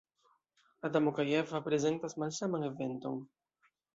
Adamo kaj Eva prezentas malsaman eventon.